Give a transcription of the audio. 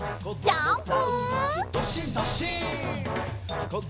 ジャンプ！